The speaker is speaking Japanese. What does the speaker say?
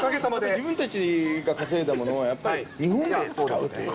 自分たちで稼いだものを日本で使うという。